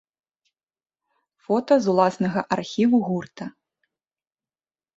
Фота з ўласнага архіву гурта.